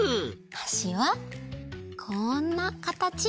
はしはこんなかたち！